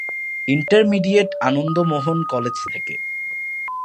Intermediate Ananda Mohan college থেকে।